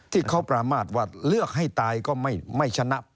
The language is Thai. ที่เขาประมาทว่าเลือกให้ตายก็ไม่ชนะ